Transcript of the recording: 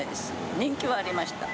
人気はありました。